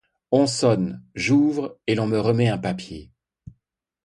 On sonne, j’ouvre, et l’on me remet un papier.